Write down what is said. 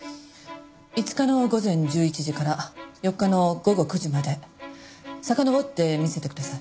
５日の午前１１時から４日の午後９時までさかのぼって見せてください。